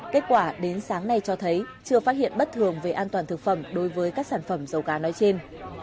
kết quả đến sáng nay cho thấy chưa phát hiện bất thường về an toàn thực phẩm đối với các sản phẩm dầu cá nói trên